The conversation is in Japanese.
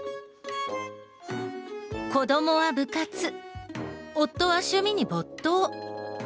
子どもは部活、夫は趣味に没頭。